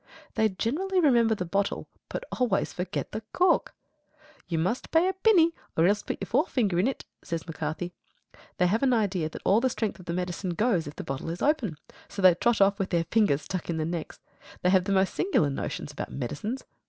They generally remember the bottle, but always forget the cork. "Ye must pay a pinny or ilse put your forefinger in," says McCarthy. They have an idea that all the strength of the medicine goes if the bottle is open, so they trot off with their fingers stuck in the necks. They have the most singular notions about medicines.